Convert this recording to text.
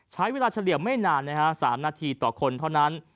ใช้เวลาเฉลี่ยมไม่นานนะครับ๓นาทีต่อคนเท่านั้น